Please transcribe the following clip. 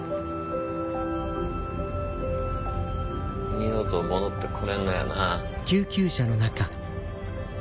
二度と戻ってこれんのやな。